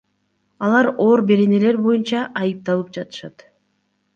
Алар оор беренелер боюнча айтыпталып жатышат.